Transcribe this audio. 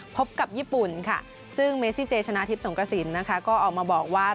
พบกับญี่ปุ่นค่ะซึ่งเมซิเจชนะทิพย์สงกระสินนะคะก็ออกมาบอกว่า